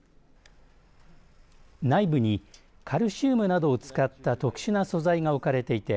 内部にカルシウムなどを使った特殊な素材が置かれていて